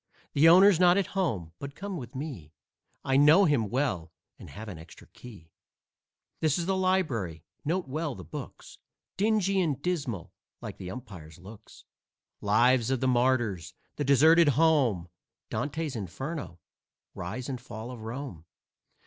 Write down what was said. The owner's not at home, but come with me; I know him well and have an extra key. This is the library; note well the books, Dingy and dismal, like the umpire's looks. "Lives of the Martyrs," "The Deserted Home," "Dante's Inferno," "Rise and Fall of Rome."